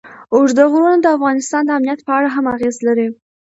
اوږده غرونه د افغانستان د امنیت په اړه هم اغېز لري.